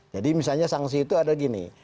jadi misalnya sanksi itu adalah gini